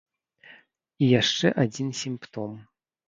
І яшчэ адзін сімптом.